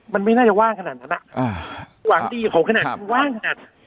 มันไม่น่าจะว่างขนาดนั้นน่ะอ้าวหวังมีผมขนาดนั้นคือว่างขนาด